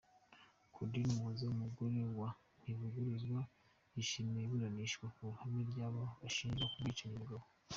Claudine Umuhoza umugore wa Ntivuguruzwa, yishimiye iburanishwa mu ruhame ry’aba bashinjwa kumwicira umugabo.